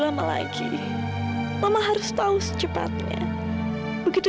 andai aku bisa bertemu dengan putra kita